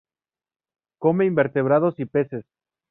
Come invertebrados y peces.